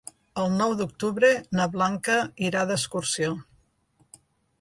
El nou d'octubre na Blanca irà d'excursió.